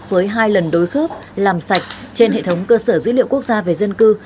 với hai lần đối khớp làm sạch trên hệ thống cơ sở dữ liệu quốc gia về dân cư